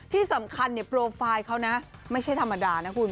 ที่สำคัญโปรไฟล์เขานะไม่ใช่ธรรมดานะคุณ